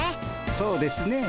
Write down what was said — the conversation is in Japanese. そうですねぇ。